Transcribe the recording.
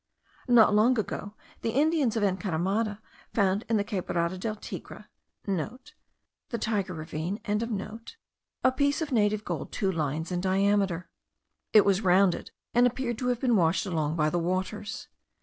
Not long ago the Indians of Encaramada found in the Quebrada del Tigre* (* The Tiger ravine.) a piece of native gold two lines in diameter. It was rounded, and appeared to have been washed along by the waters.